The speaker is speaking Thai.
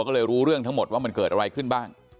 ก็เลยรู้เรื่องทั้งหมดว่ามันเกิดอะไรขึ้นบ้าง